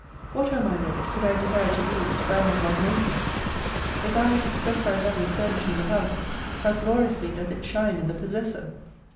What O my Lord, could I desire to be which Thou hast not made me ! If Thou hast expressed Thy love in furnishing the house, how gloriously doth it shine in the possessor